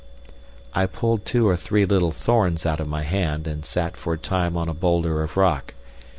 I pulled two or three little thorns out of my hand, and sat for a time on a boulder of rock.